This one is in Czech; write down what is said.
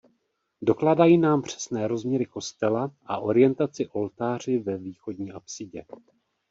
Dokládají nám přesné rozměry kostela a orientaci oltáři ve východní apsidě.